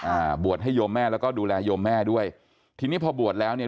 อ่าบวชให้โยมแม่แล้วก็ดูแลโยมแม่ด้วยทีนี้พอบวชแล้วเนี่ย